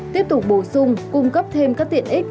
tiếp tục bổ sung cung cấp thêm các tiện ích